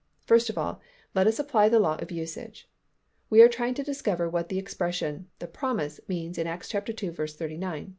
First of all, let us apply the law of usage. We are trying to discover what the expression "the promise" means in Acts ii. 39.